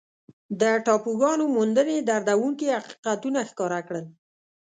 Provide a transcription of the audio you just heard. د ټاپوګانو موندنې دردونکي حقیقتونه ښکاره کړل.